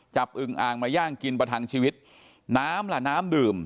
อึงอ่างมาย่างกินประทังชีวิตน้ำล่ะน้ำดื่ม